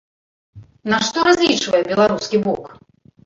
На што разлічвае беларускі бок?